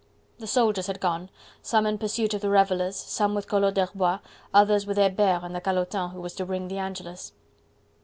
The soldiers had gone: some in pursuit of the revellers, some with Collot d'Herbois, others with Hebert and the calotin who was to ring the Angelus.